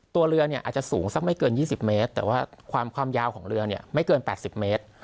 ตัวเรือเนี่ยอาจจะสูงสักไม่เกิน๒๐เมตรแต่ว่าความยาวของเรือเนี่ยไม่เกิน๘๐เมตร